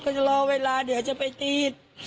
จะรอเวลาเดี๋ยวจะไปตี